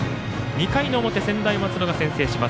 ２回の表、専大松戸が先制します。